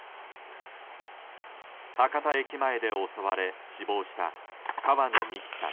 博多駅前で襲われ死亡した川野美樹さん。